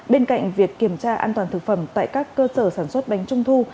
bên cạnh việc kiểm tra an toàn thực phẩm tại các cơ sở sản xuất bánh trung thu